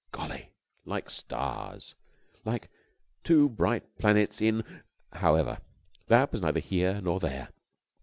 Golly! Like stars! Like two bright planets in.... However, that was neither here nor there.